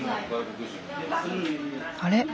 あれ？